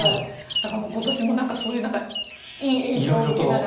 だから、今年もそういういい影響を受けながら。